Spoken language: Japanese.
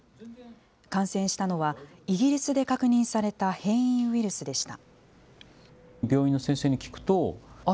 感染したのは、イギリスで確認された変異ウイルスでした。